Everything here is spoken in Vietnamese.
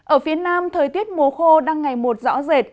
ở phía nam thời tiết mùa khô đang ngày một rõ rệt